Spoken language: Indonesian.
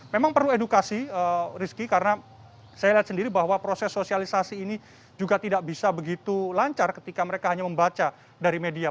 memang perlu edukasi rizky karena saya lihat sendiri bahwa proses sosialisasi ini juga tidak bisa begitu lancar ketika mereka hanya membaca dari media